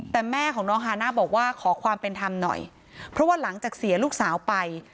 แต่แม่ของน้องฮาน่าบอกว่าขอความเป็นธรรมหน่อยเพราะว่าหลังจากเสียลูกสาวไป